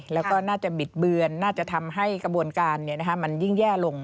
แล้วก็น่าจะบิดเบือนน่าจะทำให้กระบวนการมันยิ่งแย่ลง